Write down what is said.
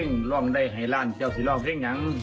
อุ้ยยร้องได้ให้หลานคิดหาอะไรให้คุณยาย